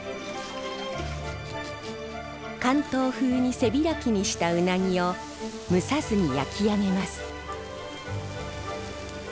関東風に背開きにしたうなぎを蒸さずに焼き上げます。